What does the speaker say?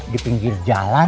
di pinggir jalan